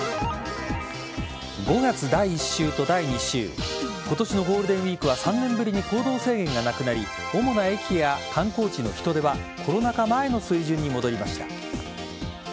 ５月第１週と第２週今年のゴールデンウイークは３年ぶりに行動制限がなくなり主な駅や観光地の人出はコロナ禍前の水準に戻りました。